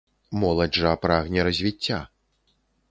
Моладзь жа прагне развіцця.